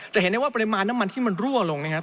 จะเห็นได้ว่าปริมาณน้ำมันที่มันรั่วลงนะครับ